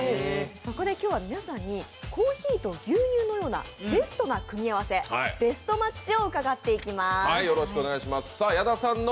そこで今日は皆さんにコーヒーと牛乳のようなベストな組み合わせ、ベストマッチを伺っていきます。